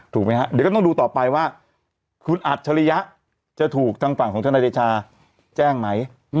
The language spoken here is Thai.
ถูกไหมฮะเดี๋ยวก็ต้องดูต่อไปว่าคุณอัจฉริยะจะถูกทางฝั่งของทนายเดชาแจ้งไหม